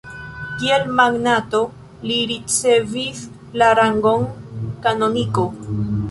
Kiel magnato, li ricevis la rangon kanoniko.